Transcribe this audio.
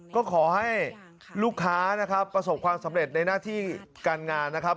ก็ขอให้ลูกค้านะครับประสบความสำเร็จในหน้าที่การงานนะครับ